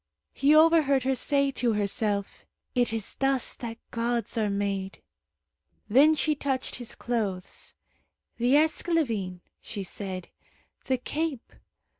He overheard her say to herself, "It is thus that gods are made." Then she touched his clothes. "The esclavine," she said, "the cape.